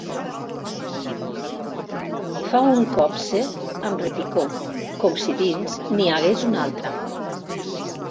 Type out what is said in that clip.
Fa un cop sec amb repicó, com si dins n'hi hagués una altra.